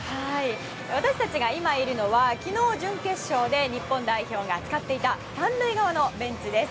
私たちが今いるのは昨日、準決勝で日本代表が使っていた３塁側のベンチです。